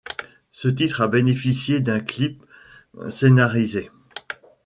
Ce titre a bénéficié d'un clip scénarisé.